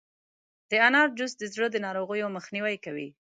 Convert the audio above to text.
د انار جوس د زړه د ناروغیو مخنیوی کوي.